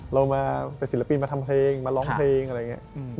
เรามาเป็นศิลปินมาทำเพลงมาร้องเพลงอะไรอย่างนี้